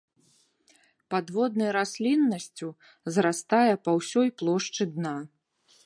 Падводнай расліннасцю зарастае па ўсёй плошчы дна.